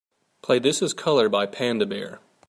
play This Is Colour by Panda Bear